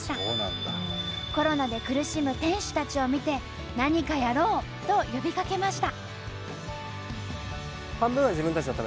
コロナで苦しむ店主たちを見て「何かやろう」と呼びかけました。